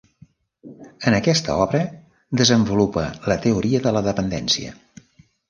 En aquesta obra desenvolupa la teoria de la dependència.